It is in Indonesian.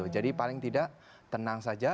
jadi paling tidak tenang saja